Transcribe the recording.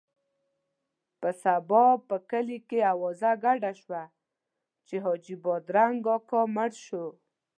په سبا په کلي کې اوازه ګډه شوه چې حاجي بادرنګ اکا مړ شو.